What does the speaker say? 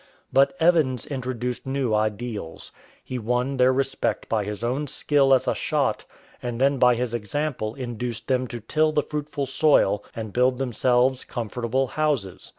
But Evans introduced new ideals. He won their respect by his own skill as a shot, and then by his example induced them to till the fruitful soil and build themselves comfortable houses.